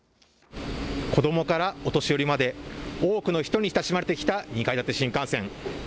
子どもからお年寄りまで、多くの人に親しまれてきた２階建て新幹線。